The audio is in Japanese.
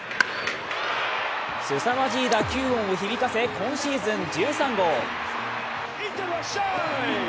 すさまじい打球音を響かせ今シーズン１３号。